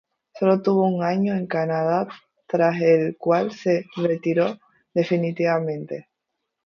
Sólo estuvo un año en Canadá, tras el cual se retiró definitivamente.